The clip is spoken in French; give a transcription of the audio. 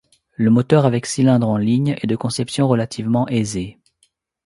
Le moteur avec cylindres en ligne est de conception relativement aisée.